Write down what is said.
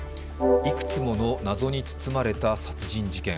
いくつもの謎に包まれた殺人事件。